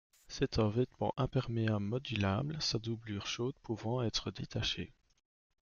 C'est un vêtement imperméable modulable, sa doublure chaude pouvant être détachée.